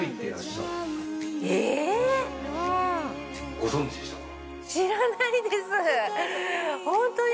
ご存じでしたか？